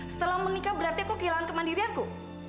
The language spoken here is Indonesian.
setelah menikah berarti aku kehilangan kemandirianku